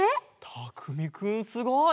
たくみくんすごい！